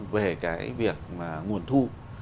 về cái việc nguồn thu